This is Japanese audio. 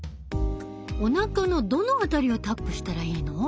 お腹のどの辺りをタップしたらいいの？